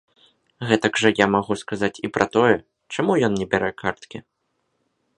Гэтак жа я магу сказаць і пра тое, чаму ён не бярэ карткі.